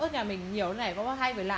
chạy qua sổ